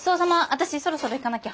私そろそろ行かなきゃ。